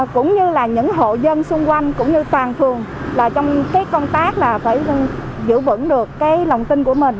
cũng như là những hộ dân xung quanh cũng như toàn phường là trong cái công tác là phải giữ vững được cái lòng tin của mình